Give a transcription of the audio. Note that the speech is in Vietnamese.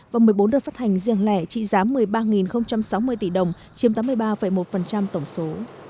và một mươi bốn đợt phát hành riêng lẻ trị giá một mươi ba sáu mươi tỷ đồng chiếm tám mươi ba một tổng số